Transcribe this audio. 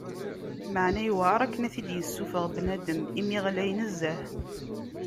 Meεna iwεer akken ad t-id-yessufeɣ bnadem imi ɣlay nezzeh.